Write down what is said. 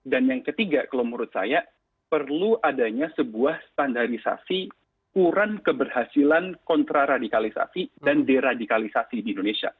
dan yang ketiga kalau menurut saya perlu adanya sebuah standarisasi ukuran keberhasilan kontraradikalisasi dan deradikalisasi di indonesia